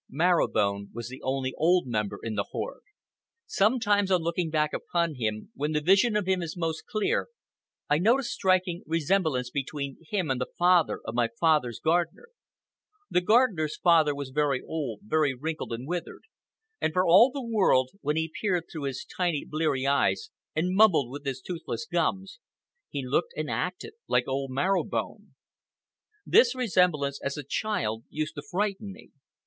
Marrow Bone was the only old member in the horde. Sometimes, on looking back upon him, when the vision of him is most clear, I note a striking resemblance between him and the father of my father's gardener. The gardener's father was very old, very wrinkled and withered; and for all the world, when he peered through his tiny, bleary eyes and mumbled with his toothless gums, he looked and acted like old Marrow Bone. This resemblance, as a child, used to frighten me.